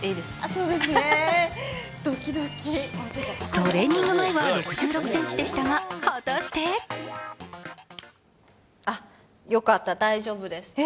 トレーニング前は６６ｃｍでしたが、果たしてあっ、よかった大丈夫です。